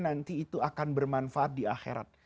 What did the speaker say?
nanti itu akan bermanfaat di akhirat